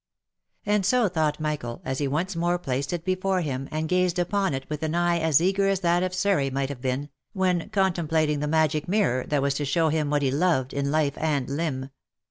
And so thought Michael, as he once more placed it before him, and gazed upon it with an eye as eager as that of Surrey might have been, when contemplating the magic mirror that was to show him what he loved " in life and limb."